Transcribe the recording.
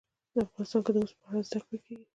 افغانستان کې د مس په اړه زده کړه کېږي.